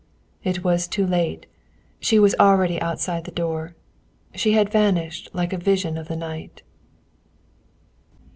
It was too late. She was already outside the door. She had vanished like a vision of the night.